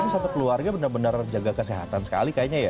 satu keluarga benar benar jaga kesehatan sekali kayaknya ya